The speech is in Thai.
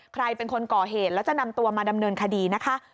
ใครเป็นคนก่อเหตุแล้วจะนำตัวมาดำเนินคดีนะคะ